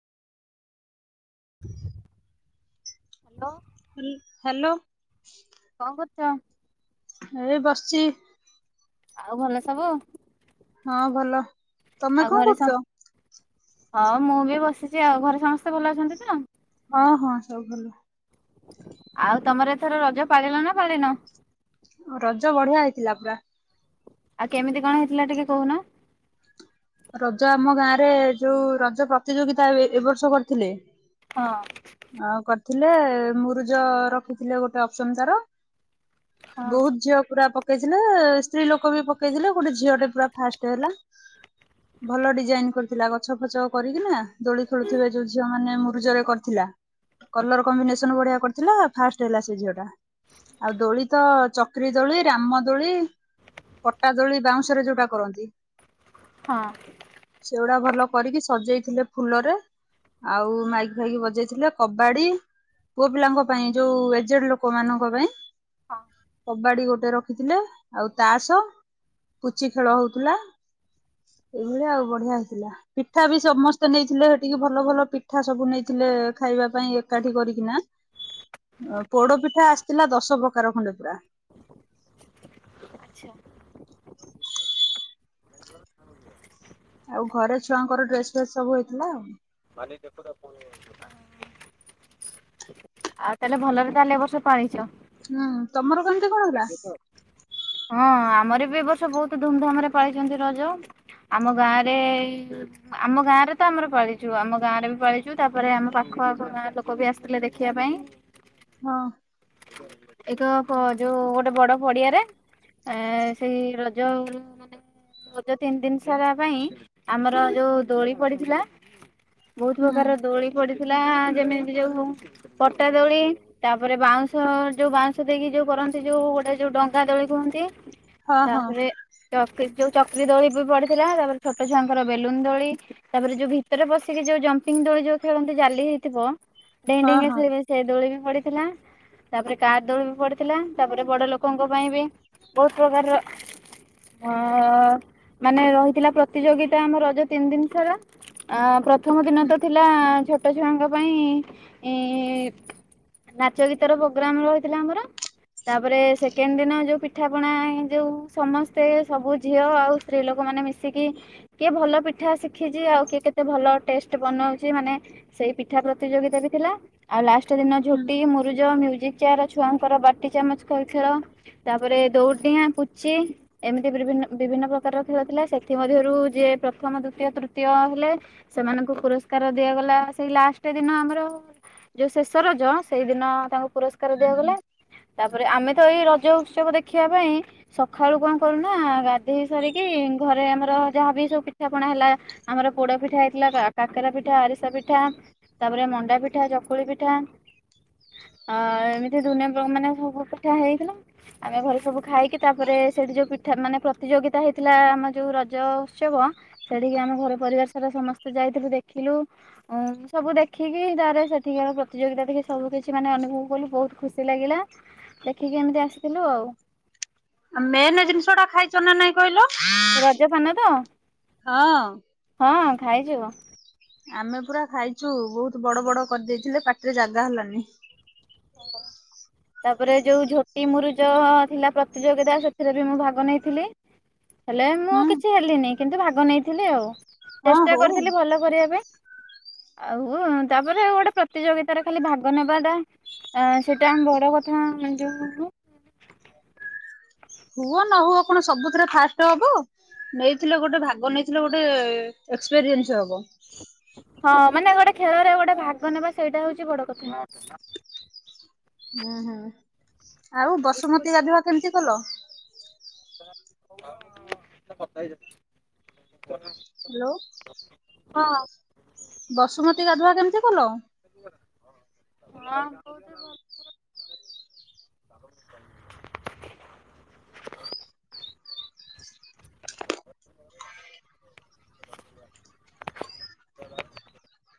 Hello. ହିଲ୍ hello. କଣ କରୁଛ। ଏଇ ବସିଛି। ଆଉ ଭଲ ସବୁ। ହଁ ଭଲ ତମେ ଆଉ କଣ ଘରେ ସ କରୁଛ। ହଁ ମୁଁ ବି ବସିଛି ଆଉ ଘରେ ସମସ୍ତେ ଭଲ ଅଛନ୍ତି ତ। ହଁ ହଁ ସବୁ ଭଲ। ଆଉ ତମର ଏଥର ରଜ ପାଳିଲ ନା ପାଳିନ। ରଜ ବଢିଆ ହେଇଥିଲା ପୁରା। ଆଉ କେମିତି କଣ ହେଇଥିଲା ଟିକେ କହୁନ। ରଜ ଆମ ଗାଁରେ ଯୋଉ ରଜ ପ୍ରତିଯୋଗିତା ଏ ଏ ବର୍ଷ କରିଥିଲେ। ହଁ। ଆ କରିଥିଲେ ମୁରୁଜ ରଖିଥିଲେ ଗୋଟେ ଅପସନ ତାର। ହଁ ବହୁତ ଝିଅ ପୁରା ପ ପକେଇଥିଲେ ସ୍ତ୍ରୀ ଲୋକ ବି ପକେଇଥିଲେ ଗୋଟେ ଝିଅଟେ ପୁରା ଫାଷ୍ଟ ହେଲା। ଭଲ ଡିଜାଇନ କରିଥିଲା ଗଛ ଫଛ କରିକିନା ଦୋଳି ଖେଳୁଥିବେ ଯୋଉ ଝିଅ ମାନେ ମୁରୁଜରେ କରିଥିଲା। କଲର କମ୍ବିନେସନ ବଢିଆ କରିଥିଲା ଫାଷ୍ଟ ହେଲା ସେ ଝିଅ ଟା। ଆଉ ଦୋଳି ତ ଚର୍କ୍ରି ଦୋଳି ରାମ ଦୋଳି। ପଟା ଦୋଳି ବାଉଁଶରେ ଯୋଉଟା କରନ୍ତି। ହଁ। ସେଗୁଡା ଭଲ କରିକି ସଜେଇଥିଲେ ଫୁଲରେ। ଆଉ ମାଇକ୍ ଫାଇକ୍ ବଜେଇଥିଲେ କବାଡି ପୁଅ ପିଲାଙ୍କ ପାଇଁ ଯୋଉ ଏଜେଡ୍‌ ଲୋକ ମାନଙ୍କ ପାଇଁ। ଆଚ୍ଛା କବାଡି ଗୋଟେ ରଖିଥିଲେ ଆଉ ତା ସହ ପୁଚି ଖେଳ ହଉଥିଲା। ଏଇଭଳିଆ ଆଉ ବଢିଆ ହେଇଥିଲା। ପିଠା ବି ସମସ୍ତେ ନେଇଥିଲେ ସେଠିକି ଭଲ ଭଲ ପିଠା ସବୁ ନେଇଥିଲେ ଖାଇବା ପାଇଁ ଏକାଠି କରିକିନା। ପୋଡପିଠା ଆସିଥିଲା ଦଶ ପ୍ରକାର ଖଣ୍ଡେ ପୁରା। ଆଉ ଘରେ ଛୁଆଙ୍କର ଡ୍ରେସ ଫ୍ରେସ୍ ସବୁ ହେଇଥିଲା ଆଉ। ମାନି ଦେଖୁଥା ଫୁଣି ଆଉ ତାହେଲେ ଭଲରେ ତାହଲେ ଏ ବର୍ଷ ପାଳିଛ। ହୁଁ ତମର କେମିତି କଣ ହେଲା। ହଁ ଆମର ବି ଏବ ବର୍ଷ ବହୁତ୍ ଧୁମ୍ ଧାମ୍ ରେ ପାଳିଚନ୍ତି ରଜ ଆମ ଗାଁ ରେ ଆମ ଗାଁରେ ତ ଆମର ପାଳିଛୁ ଆମ ଗାଁରେ ବି ପାଳିଛୁ ତାପରେ ଆମ ପାଖ ଆଖ ଗାଁ ଲୋକ ଲୋକ ବି ଆସିଥିଲେ ଦେଖିବା ପାଇଁ। ହଁ। ଏକ କ ଯୋଉ ଗୋଟେ ବଡ ପଡିଆରେ ଆ ସେଇ ରଜ ମାନେ ରଜ ତିନି ଦିନ୍ ସାରା ପାଇଁ ଆମର ଯୋଉ ଦୋଳି ପଡିଥିଲା। ବହୁତ୍ ହୁଁ ପ୍ରକାର ର ଦୋଳି ପଡି ଥିଲା ଯେମିତି ଯୋଉ ହଉ ପଟା ଦୋଳି ତାପରେ ବାଉଁଶ ଯୋଉ ବାଉଁଶ ଦେଇକି ଯୋଉ କରନ୍ତି ଯୋଉ ଗୋଟେ ଯୋଉ ଡଙ୍ଗା ଦୋଳି କୁହନ୍ତି ହଁ ହଁ ତାପରେ। ଚକ୍ରି ଯୋଉ ଚକ୍ରି ଦୋଳି ବି ପଡିଥିଲା ତାପରେ ଛୋଟ ଛୁଆଙ୍କର ବେଲୁନ ଦୋଳି। ତାପରେ ଯୋଉ ଭିତରେ ପଶିକି ଯୋଉ ଜମ୍ପିଙ୍ଗ ଦୋଳି ଯୋଉ ଖେଳନ୍ତି ଜାଲି ହେଇଥିବ। ଡେଇଁକା ହଁ ଡେଇଁକା ହଁ ଖେଳିବେ ସେ ଦୋଳି ବି ପଡିଥିଲା ତାପରେ। କାର୍ ଦୋଳି ବି ପଡିଥିଲା ତାପରେ ବଡଲୋକଙ୍କ ପାଇଁ ବି ବହୁତ ପ୍ରକାରର। ଅ ମାନେ ରହିଥିଲା ପ୍ରତିଯୋଗିତା ଆମ ରଜ ତିନ ଦିନ ସେରା। ଅ ପ୍ରଥମଦିନ ହୁଁ ତ ଥିଲା ଛୋଟ ଛୁଆଙ୍କ। ପାଇଁ ଇଁ ନାଚ ଗୀତର ପ୍ରୋଗ୍ରାମ ରହିଥିଲା ଆମର। ତାପରେ ସେକେଣ୍ଡ ଦିନ ଯୋଉ ପିଠାପଣା ଯୋଉ ସମସ୍ତେ ସବୁ ଝିଅ ଆଉ। ସ୍ତ୍ରୀ ଲୋକମାନେ ମିଶିକି। କିଏ ଭଲ ପିଠା ଶିଖିଛି ଆଉ କିଏ କେତେ ଭଲ ଟେଷ୍ଟ ବନଉଛି ମାନେ। ସେଇ ପିଠା ପ୍ରତିଯୋଗିତା ବି ଥିଲା ଆଉ ଲାଷ୍ଟ ଦିନ ହୁଁ ଝୋଟି ମୁରୁଜ ମ୍ୟୁଜିକ୍। ଚେଆର ଛୁଆଙ୍କର ବାଟି ଚାମଚ ଖ ଖେଳ ତାପରେ ଦୌଡିଡ଼ିଆଁ ପୁଚି। ଏମିତି ବିଭିନ୍ନ ବିଭିନ୍ନ ପ୍ରକାରର ଖେଳଥିଲା ସେଥି ମଧ୍ୟରୁ ଯିଏ ପ୍ରଥମ ଦ୍ଵିତୀୟ ତୃତୀୟ ହେଲେ। ସେମାନଙ୍କୁ ପୁରସ୍କାର ଦିଆଗଲା ସେଇ ଲାଷ୍ଟ ଦିନ ଆମର। ଯୋଉ ଶେଷ ରଜ ସେଇଦିନ ତାଙ୍କୁ ପୁରସ୍କାର ହୁଁ। ହୁଁ। ଦିଆଗଲା। ତାପରେ ଆମେ ତ ଏଇ ରଜ ଉତ୍ସବ ଦେଖିବାପାଇଁ। ସଖାଳୁ କଣ କଲୁନା ଗାଧେଇ ସାରିକି ଘରେ ଆମର ଯାହାବି ସବୁ ପିଠାପଣା ହେଲା। ଆମର ପୋଡ ପିଠା ହେଇଥିଲା କା କାକରା ପିଠା ଆରିସା ପିଠା। ତାପରେ ମଣ୍ଡା ପିଠା ଚକୁଳି ପିଠା ଅ। ଏମିତି ଦୁନିଆ ପ୍ର ମାନେ ସବୁ ପିଠା ହେଇଥିଲା। ଆମେ ଘରେ ସବୁ ଖାଇକି ତାପରେ ସେଇଠି ଯୋଉ ପିଠା ମାନେ ପ୍ରତିଯୋଗିତା ହେଇଥିଲା ଆମର ଯୋଉ ରଜ ଉତ୍ସବ। ସେଠିକି ଆମ ଘର ପରିବାରସାରା ସମସ୍ତେ ଯାଇଥିଲୁ ଦେଖିଲୁ। ଉଁ ସବୁ ଦେଖିକି ତାରେ ସେଠିକାର ପ୍ରତିଯୋଗିତା ଦେଖିକି ସବୁକିଛି ମାନେ ଅନୁଭବ କୁ ବହୁତ। ଖୁସି ଲାଗିଲା ଦେଖିକି ଏମିତି ଆସିଥିଲୁ ଆଉ। ଆ ମେନେ ଜିନିଷଟା ଖାଇଛ ନା ନାଇଁ କହିଲ? ରଜ ପାନ ତ? ହଁ। ହଁ ଖାଇଚି ବ। ଆମେ ପୁରା ଖାଇଛୁ ବହୁତ ବଡ ବଡ କରିଦେଇଥିଲେ ପାଟିରେ ଜାଗା ହେଲାନି। ହାଲୋ। ତାପରେ ଯୋଉ ଝୋଟି ମୁରୁଜ ଥିଲା ପ୍ରତିଯୋଗିତା ସେଥିରେ ବି ମୁଁ ଭାଗ ନେଇଥିଲି। ହେଲେ ମୁଁ ହୁଁ କିଛି ହେଲିନି କିନ୍ତୁ ଭାଗ ନେଇଥିଲି ଆଉ ହଁ ଚେଷ୍ଟା ହଉ କରିଥିଲି ଭଲ କରିବା ପାଇଁ। ଆଉ ତାପରେ ଗୋଟେ ପ୍ରତିଯୋଗିତାରେ ଖାଲି ଭାଗ ନେବାଟା। ଅଁ ସେଇଟା ଆମ ବଡ କଥା ଏ ଯୋଉ ମୁଁ। ହୁଅ ନ ହୁଅ କଣ ସବୁଥିରେ ଫାଷ୍ଟ ହବ। ନେଇଥିଲେ ଗୋଟେ ଭାଗ ନେଇଥିଲେ ଗୋଟେ ଏକ୍ସପେରିଏନ୍ସ ହବ। ହଁ ମାନେ ଗୋଟେ ଖେଳରେ ଗୋଟେ ଭାଗ ନେବା ସେଇଟା ହଉଛି ବଡ କଥା। ହୁଁ ହୁଁ ଆଉ ବସୁମତୀ ଗାଧୁଆ କେମିତି କଲ? [unintelligible] ତ କଥା ହେଇଯା। ହାଲୋ। ହଁ ବସୁମତୀ ଗାଧୁଆ କେମିତି କଲ? ହଁ କୁ